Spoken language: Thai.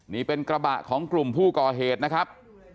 นี่เป็นกระบะของกลุ่มผู้ก่อเหตุนะครับ